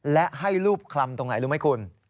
และให้รูปคลำตรงไหนรู้ไหมคุณ